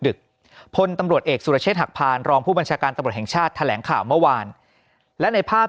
พลตำรวจเอกสุรเชษฐหักพานรองผู้บัญชาการตำรวจแห่งชาติแถลงข่าวเมื่อวานและในภาพ